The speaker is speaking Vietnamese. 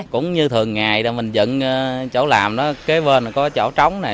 cũng như thường ngày mình dựng chỗ làm đó kế bên có chỗ trống này